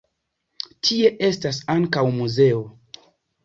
Tie estas ankaŭ muzeo.